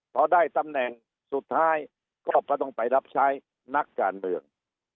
พอได้ตำแหน่งสุดท้ายก็ต้องไปรับใช้นักการเมือง